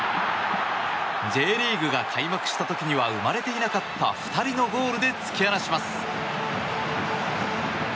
Ｊリーグが開幕した時には生まれていなかった２人のゴールで突き放します。